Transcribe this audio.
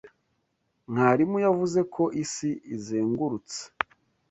Mwarimu yavuze ko isi izengurutse.